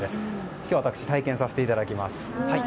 今日、私体験させていただきます。